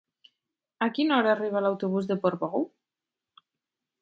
A quina hora arriba l'autobús de Portbou?